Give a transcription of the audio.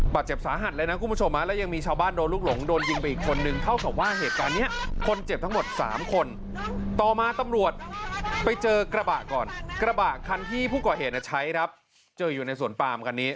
บัดเจ็บสาหัสแล้วนะคุณผู้ชม